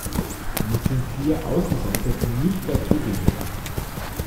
Wir sind vier Außenseiter, die nicht dazu gehören